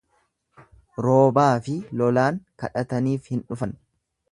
Roobaafi lolaan kadhataniif hin dhufan.